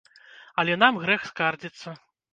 Але нам грэх скардзіцца.